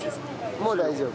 もう大丈夫。